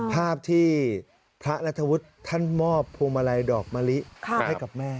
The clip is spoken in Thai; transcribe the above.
ภาพที่พระนัทวุฒิท่านมอบพวงมาลัยดอกมะลิให้กับแม่